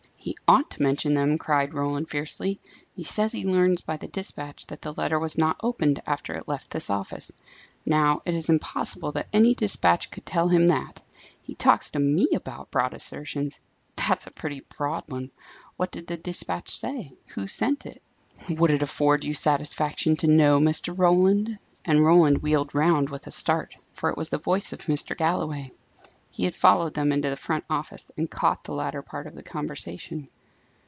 "He ought to mention them," cried Roland fiercely. "He says he learns, by the despatch, that the letter was not opened after it left this office. Now, it is impossible that any despatch could tell him that. He talks to me about broad assertions! That's a pretty broad one. What did the despatch say? who sent it?" "Would it afford you satisfaction to know, Mr. Roland?" and Roland wheeled round with a start, for it was the voice of Mr. Galloway. He had followed them into the front office, and caught the latter part of the conversation.